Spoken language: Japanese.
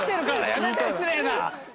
やめて失礼な！